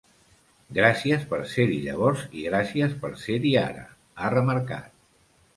Gràcies per ser-hi llavors i gràcies per ser-hi ara, ha remarcat.